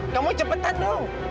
kamu cepetan dong